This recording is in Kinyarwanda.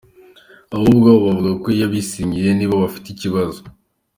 Ahubwo abo bavuga ko yabasinyiye nibo bafite ibibazo.